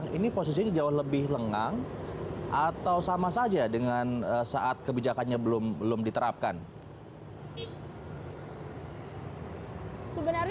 kita lihat masih ada yang berponor genap dan peringatan sudah terlihat ini menjelang bundaran semanggi